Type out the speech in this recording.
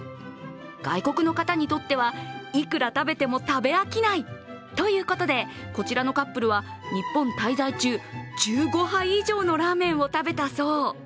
外国の方にとってはいくら食べても食べ飽きないということでこちらのカップルは日本滞在中、１５杯以上のラーメンを食べたそう。